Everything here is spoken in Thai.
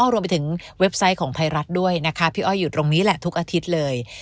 รวมไปถึงเว็บไซต์ของไทยรัฐด้วยนะคะพี่อ้อยอยู่ตรงนี้แหละทุกอาทิตย์เลย